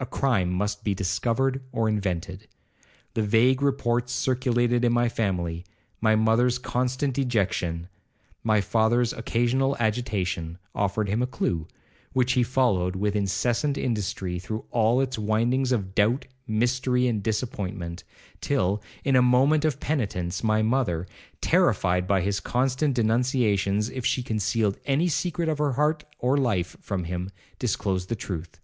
A crime must be discovered or invented. The vague reports circulated in the family, my mother's constant dejection, my father's occasional agitation, offered him a clue, which he followed with incessant industry through all its windings of doubt, mystery, and disappointment, till, in a moment of penitence, my mother, terrified by his constant denunciations if she concealed any secret of her heart or life from him, disclosed the truth.